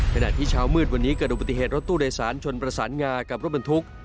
ขณะที่เช้ามืดวันนี้เกิดอุบัติเหตุรถตู้โดยสารชนประสานงากับรถบรรทุก